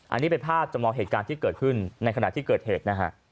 อันนี้เป็นภาพจำลองเหตุการณ์ที่เกิดขึ้นในขณะที่เกิดเหตุนะฮะ